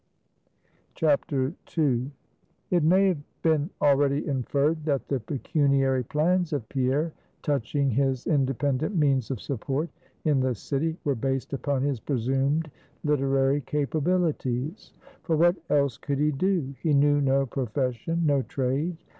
II. It may have been already inferred, that the pecuniary plans of Pierre touching his independent means of support in the city were based upon his presumed literary capabilities. For what else could he do? He knew no profession, no trade.